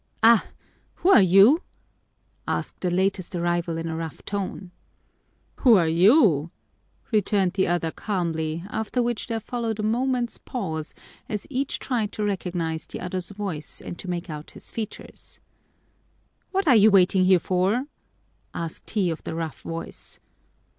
"Ah! Who are you?" asked the latest arrival in a rough tone. "Who are you?" returned the other calmly, after which there followed a moment's pause as each tried to recognize the other's voice and to make out his features. "What are you waiting here for?" asked he of the rough voice.